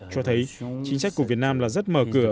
cho thấy chính sách của việt nam là rất mở cửa